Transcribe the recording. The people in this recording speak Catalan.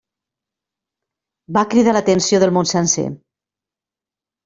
Va cridar l'atenció del món sencer.